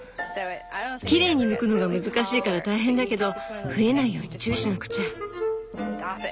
きれいに抜くのが難しいから大変だけど増えないように注意しなくちゃ。